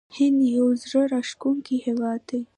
هند یو زړه راښکونکی هیواد دی.